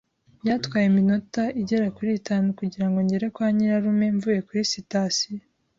Byatwaye iminota igera kuri itanu kugirango ngere kwa nyirarume mvuye kuri sitasiyo.